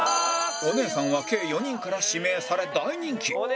お姉さんは計４人から指名され大人気